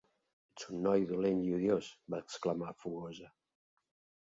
"Ets un noi dolent i odiós!", va exclamar fogosa.